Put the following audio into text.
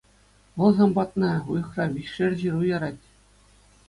Вӑл сан патна уйӑхра виҫшер ҫыру ярать.